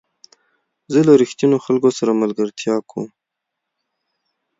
زه له رښتینو خلکو سره ملګرتیا کوم.